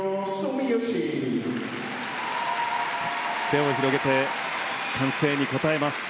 手を広げて歓声に応えます。